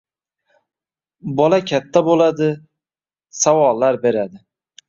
Bola katta bo‘ladi, savollar beradi